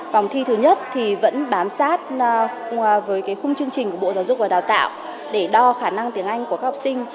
vòng thi thứ nhất thì vẫn bám sát với khung chương trình của bộ giáo dục và đào tạo để đo khả năng tiếng anh của các học sinh